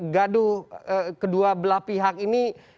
gaduh kedua belah pihak ini